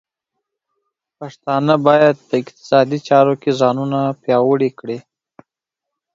پښتانه بايد په اقتصادي چارو کې ځانونه پیاوړي کړي.